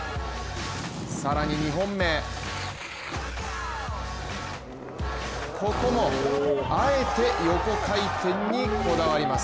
更に２本目ここも、あえて横回転にこだわります。